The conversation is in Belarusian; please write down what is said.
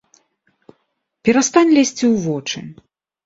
Перастань лезці ў вочы!